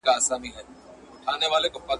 كنډواله كي نه هوسۍ نه يې درك وو.